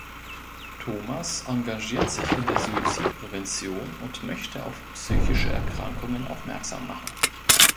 Thomas engagiert sich in der Suizidprävention und möchte auf psychische Erkrankungen aufmerksam machen.